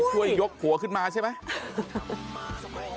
ไปช่วยยกรถไปช่วยยกหัวขึ้นมาใช่ไหม